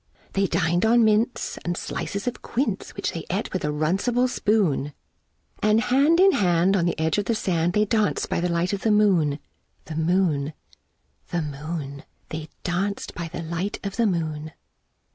They dinèd on mince, and slices of quince Which they ate with a runcible spoon; And hand in hand, on the edge of the sand, They danced by the light of the moon, The moon, The moon, They danced by the light of the moon.